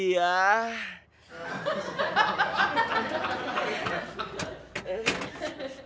banyak baja yang saya mau nonsense